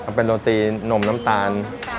อันนี้เป็นโรตีนมน้ำตาล